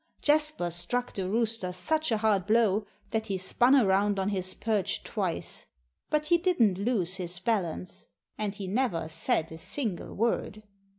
Jasper struck the rooster such a hard blow that he spun around on his perch twice. But he didn't lose his balance. And he never said a single word.